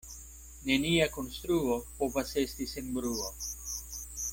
Nenia konstruo povas esti sen bruo.